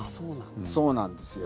そうなんですよ。